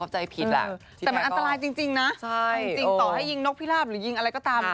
จริงต่อให้ยิงนกพิราบหรือยิงอะไรก็ตาม